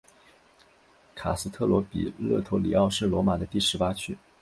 卡斯特罗比勒陀里奥是罗马的第十八区。